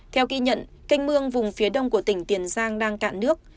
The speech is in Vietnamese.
theo ghi nhận canh mương vùng phía đông của tỉnh tiền giang đang cạn nước